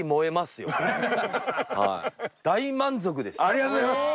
ありがとうございます！